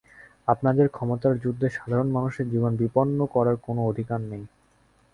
আপনাদের ক্ষমতার যুদ্ধে সাধারণ মানুষের জীবন বিপন্ন করার কোনো অধিকার নেই।